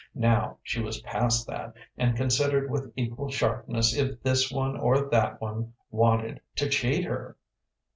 Now she was past that, and considered with equal sharpness if this one or that one wanted to cheat her.